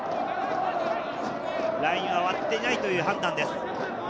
ラインは割っていないという判断です。